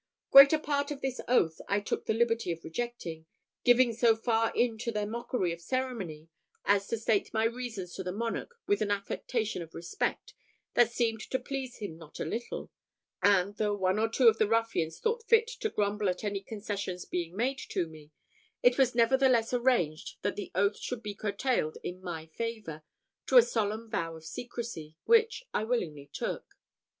Greater part of this oath I took the liberty of rejecting, giving so far in to their mockery of ceremony, as to state my reasons to the monarch with an affectation of respect that seemed to please him not a little; and, though one or two of the ruffians thought fit to grumble at any concessions being made to me, it was nevertheless arranged that the oath should be curtailed in my favour, to a solemn vow of secrecy, which I willingly took.